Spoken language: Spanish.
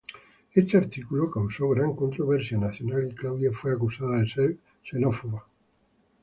Este artículo causó gran controversia nacional y Claudia fue acusada de ser xenófoba.